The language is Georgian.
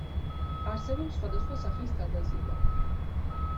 არსებობს სხვადასხვა სახის გადაზიდვა.